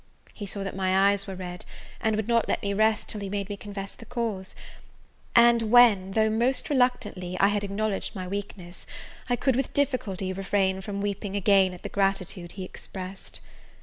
He saw that my eyes were red, and would not let me rest till he made me confess the cause; and when, though most reluctantly, I had acknowledged my weakness, I could with difficulty refrain from weeping again at the gratitude he expressed.